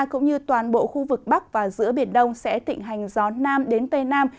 cũng như toàn bộ khu vực bắc và giữa biển đông sẽ tịnh hành gió nam đến tây nam